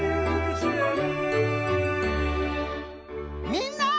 みんな！